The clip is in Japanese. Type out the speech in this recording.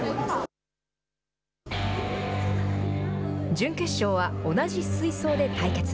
準決勝は同じ水槽で対決。